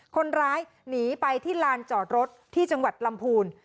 คนร้ายหนีไปที่ลานจอดรถที่จังหวัดลำพูน